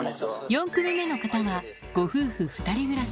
４組目の方はご夫婦２人暮ら